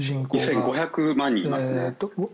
２５００万人いますね。